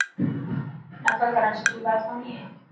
نڪل ڪرڻ سٺي بات ڪوني هي.